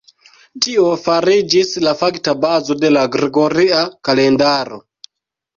Tio fariĝis la fakta bazo de la gregoria kalendaro.